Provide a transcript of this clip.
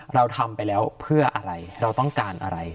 เราทำไปแล้วเพื่ออะไรเราต้องการอะไร